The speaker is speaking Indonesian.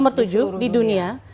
nomor tujuh di dunia